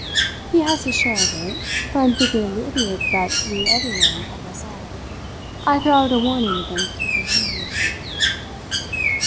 "He has his share of it, for I'm thinking of the idiots that we everyone of us are. I throw out a warning against a contingency."